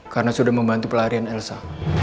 karena sudah membantu pelarian elsa